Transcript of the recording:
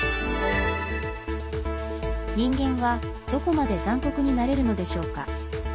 人間はどこまで残酷になれるのでしょうか。